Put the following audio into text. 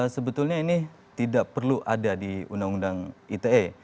sebetulnya ini tidak perlu ada di undang undang ite